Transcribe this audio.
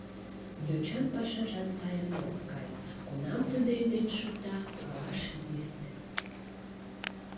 Йочан пашажат сайын ок кай, кунам тудо ӱден шукта — палаш йӧсӧ.